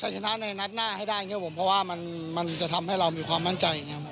ใช้ชนะในนัดหน้าให้ได้เพราะว่ามันจะทำให้เรามีความมั่นใจ